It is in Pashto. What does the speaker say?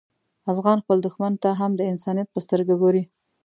افغان خپل دښمن ته هم د انسانیت په سترګه ګوري.